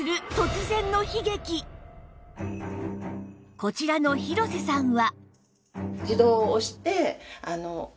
こちらの廣瀬さんは